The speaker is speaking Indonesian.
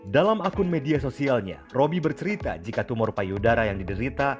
dalam akun media sosialnya roby bercerita jika tumor payudara yang diderita